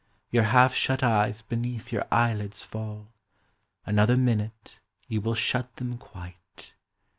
Your half shut eyes beneath your eyelids fall, Another minute, you will shut them quite.